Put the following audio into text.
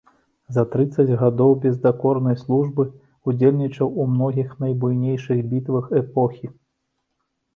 За трыццаць гадоў бездакорнай службы ўдзельнічаў у многіх найбуйнейшых бітвах эпохі.